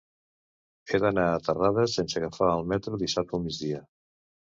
He d'anar a Terrades sense agafar el metro dissabte al migdia.